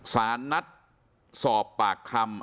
สารนัดสอบปากคำ